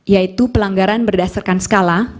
yaitu pelanggaran berdasarkan skala